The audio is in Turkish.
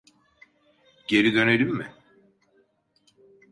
Geri dönelim mi?